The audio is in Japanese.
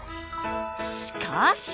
しかし！